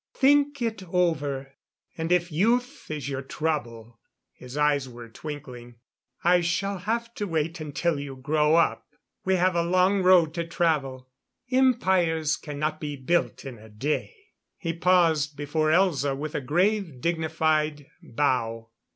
Think it over. And if youth is your trouble " His eyes were twinkling. "I shall have to wait until you grow up. We have a long road to travel empires cannot be built in a day." He paused before Elza with a grave, dignified bow.